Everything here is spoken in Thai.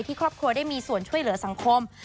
ครอบครัวได้มีส่วนช่วยเหลือสังคม